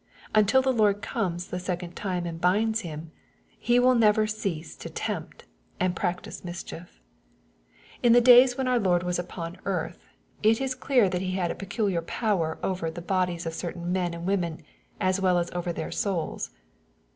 Until the Lord comes the second time and binds him, he will never cease to tempt, and prac tice mischief. In the days when our Lord was upon MATTHEW, CHAP. VIH, 81 earth, it is clear that he had a peculiar power over the hodies of certain men and women, as well as over their souls.